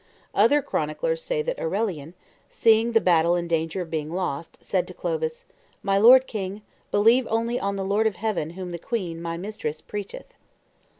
Other chroniclers say that Aurelian, seeing the battle in danger of being lost, said to Clovis, "My lord king, believe only on the Lord of heaven whom the queen, my mistress, preacheth."